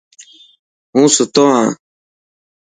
هون ستوهان.